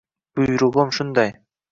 Buyrug‘im shunday.